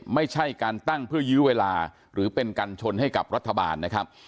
ไม่ใช่การตั้งเพื่อยื้อเวลาหรือเป็นกัญชนให้กับรัฐบาลนะครับ